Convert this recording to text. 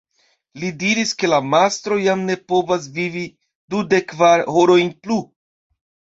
Li diris, ke la mastro jam ne povas vivi dudek kvar horojn plu.